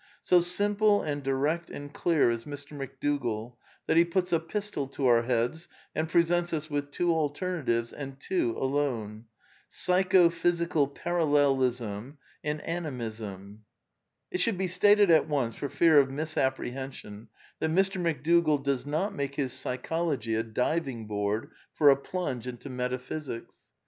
So simple and direct and clear is Mr. McDougall that he puts a pistol to our heads and presents us with two alter natives and two alone: Psycho physical Parallelism and ^^^) >AnimisnL It should be stated at once, for fear of misapprehension, that Mr. McDougall does not make his psychology a diving board for a plunge into metaphysics.